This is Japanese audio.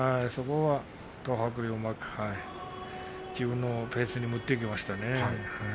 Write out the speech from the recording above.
東白龍はうまく自分のペースに持っていきましたね。